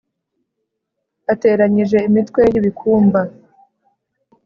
ateranyije imitwe y’ibikumba